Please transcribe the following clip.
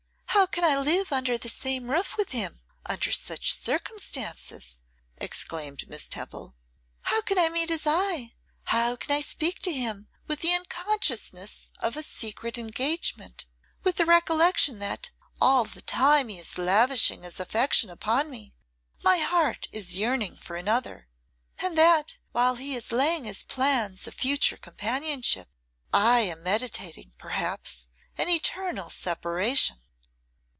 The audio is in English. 'How can I live under the same roof with him, under such circumstances?' exclaimed Miss Temple; 'how can I meet his eye, how can I speak to him with the consciousness of a secret engagement, with the recollection that, all the time he is lavishing his affection upon me, my heart is yearning for another, and that, while he is laying plans of future companionship, I am meditating, perhaps, an eternal separation!